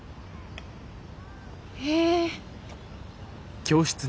へえ。